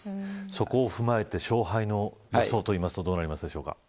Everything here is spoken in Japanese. そこを踏まえて勝敗の予想というとどうなりますか。